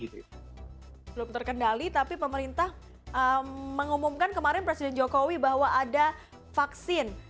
belum terkendali tapi pemerintah mengumumkan kemarin presiden jokowi bahwa ada vaksin